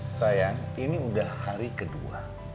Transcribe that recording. sayang ini udah hari kedua